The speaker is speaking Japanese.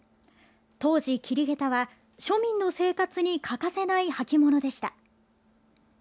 当時、桐げたは庶民の生活に欠かせない履物でした。